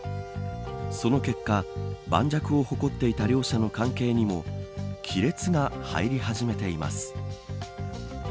その結果、盤石を誇っていた両者の関係にも亀裂が入り始めています。